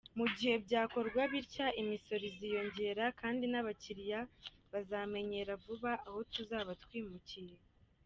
Mu gihe byakorwa bitya imisoro iziyongera kandi n’abakiliya bazamenyera vuba aho tuzaba twimukiye.